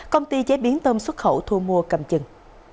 công ty chế biến tôm xuất khẩu thu mua cầm chừng